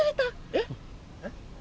えっ？